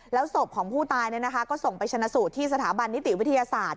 แล้วศพของผู้ตายก็ส่งไปชนะสูตรที่สถาบันนิติวิทยาศาสตร์